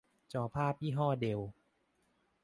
จอภาพยี่ห้อเดลล์